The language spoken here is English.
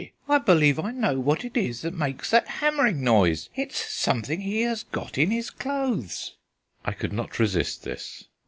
I believe I know what it is that makes that hammering noise: it's something he has got in his clothes." I could not resist this.